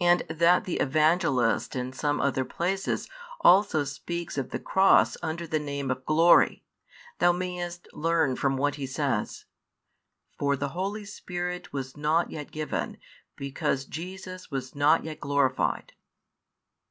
And that the Evangelist in some other places also speaks of the Cross under the name of "glory," thou mayest learn from what he says: For the Holy Spirit was not yet [given]; because Jesus was not yet glorified.